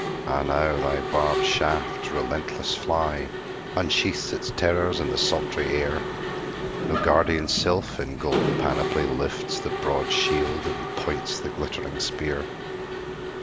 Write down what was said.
—Ah now thy barbed shaft, relentless fly, Unsheaths its terrors in the sultry air! No guardian sylph, in golden panoply, Lifts the broad shield, and points the glittering spear.